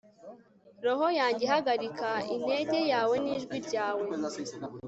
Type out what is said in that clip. Roho yanjye hagarika indege yawe nijwi ryawe